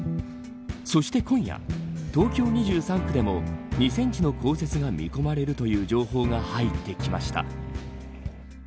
そして、今夜東京２３区でも２センチの降雪が見込まれるという情報が入ってきました。